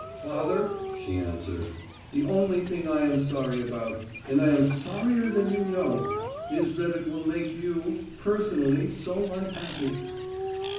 "Father," she answered, "the only thing I am sorry about, and I am sorrier than you know, is that it will make you, personally so unhappy!"